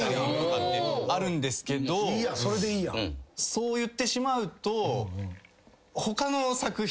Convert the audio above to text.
そう言ってしまうと。